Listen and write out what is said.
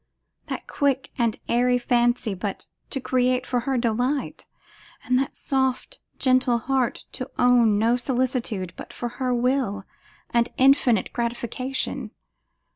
That quick and airy fancy but to create for her delight, and that soft, gentle heart to own no solicitude but for her will and infinite gratification?